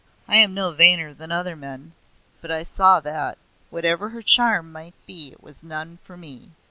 I am no vainer than other men, but I saw that. Whatever her charm might be it was none for me.